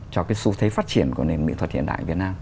cho cái xu thế phát triển của nền mỹ thuật hiện đại việt nam